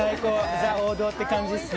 ザ・王道って感じですね。